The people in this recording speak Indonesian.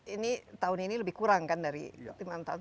ini tahun ini lebih kurang kan dari lima tahun